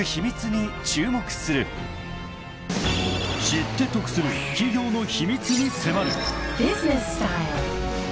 ［知って得する企業の秘密に迫る］